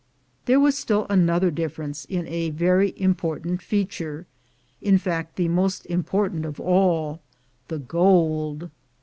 There was still another difference in a very impor tant feature — in fact, the most important of all — the gold.